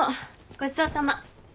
ごちそうさま。